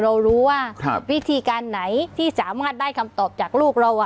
เรารู้ว่าวิธีการไหนที่สามารถได้คำตอบจากลูกเรา